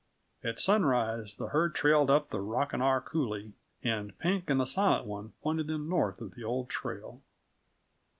At sunrise the herd trailed up the Rocking R coulee, and Pink and the Silent One pointed them north of the old trail.